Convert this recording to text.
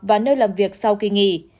và nơi làm việc sau khi nghỉ